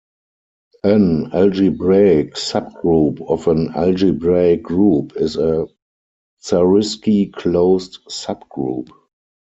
An algebraic subgroup of an algebraic group is a Zariski-closed subgroup.